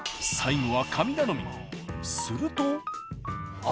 すると。